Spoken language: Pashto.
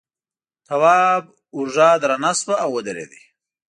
تواب اوږه درنه شوه او ودرېد.